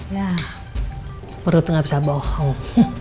ya perut nggak bisa bohong